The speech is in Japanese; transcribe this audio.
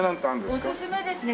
おすすめですね